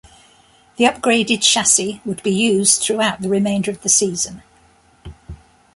The upgraded chassis would be used throughout the remainder of the season.